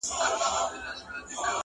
په لږ وخت کي سوې بد بویه زرغونې سوې -